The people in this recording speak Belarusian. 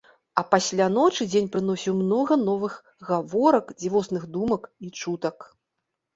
А пасля ночы дзень прыносіў многа новых гаворак, дзівосных думак і чутак.